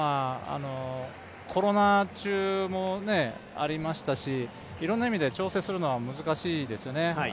コロナ中もありましたし、いろいろな意味で調整するのは難しいですよね。